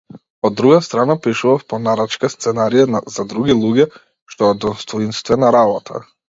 Од друга страна, пишував по нарачка сценарија за други луѓе, што е достоинствена работа.